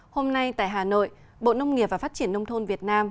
hôm nay tại hà nội bộ nông nghiệp và phát triển nông thôn việt nam